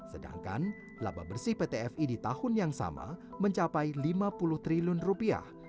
sedangkan laba bersih pt fi di tahun yang sama mencapai lima puluh triliun rupiah